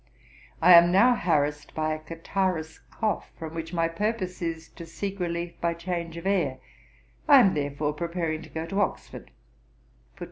I am now harrassed by a catarrhous cough, from which my purpose is to seek relief by change of air; and I am, therefore, preparing to go to Oxford.